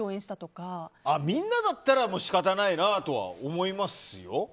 みんなだったら仕方ないなとは思いますよ。